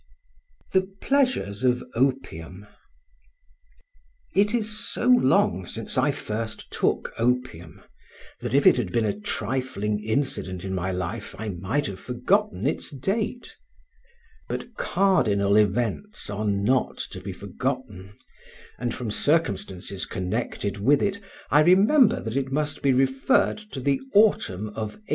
THE PLEASURES OF OPIUM It is so long since I first took opium that if it had been a trifling incident in my life I might have forgotten its date; but cardinal events are not to be forgotten, and from circumstances connected with it I remember that it must be referred to the autumn of 1804.